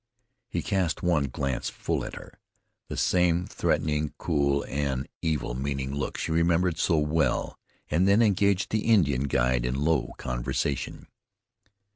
He cast one glance full at her, the same threatening, cool, and evil meaning look she remembered so well, and then engaged the Indian guide in low conversation.